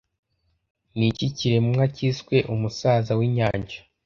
Niki kiremwa cyiswe umusaza winyanja